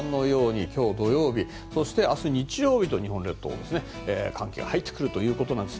今日、土曜日そして、明日、日曜日と日本列島に寒気が入ってくるということなんです。